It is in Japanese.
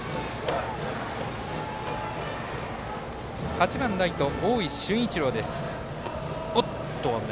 ８番ライト、大井駿一郎です。